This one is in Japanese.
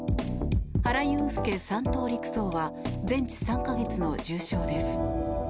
原悠介３等陸曹は全治３か月の重傷です。